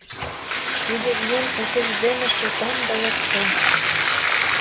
Тиде Вьюн утыждене шотан да ласка.